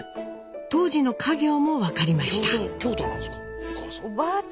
当時の家業も分かりました。